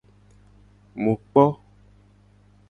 Mu kpo.